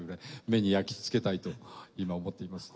目に焼きつけたいと今思っています。